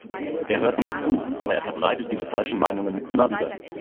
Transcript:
Er hört nicht zu, aber er verbreitet diese falschen Meinungen immer wieder.